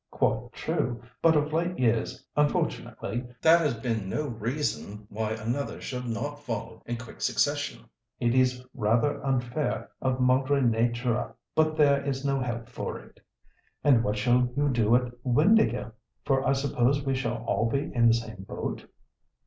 "Quite true, but of late years, unfortunately, that has been no reason why another should not follow in quick succession. It is rather unfair of Madre Natura, but there is no help for it." "And what shall you do at Windāhgil, for I suppose we shall all be in the same boat?"